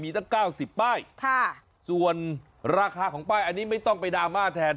มีตั้ง๙๐ป้ายส่วนราคาของป้ายอันนี้ไม่ต้องไปดาม่าแทน